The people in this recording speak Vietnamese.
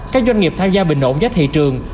các doanh nghiệp tham gia bình ổn giá thị trường